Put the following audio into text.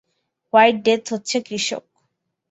White death হচ্ছে কৃষক।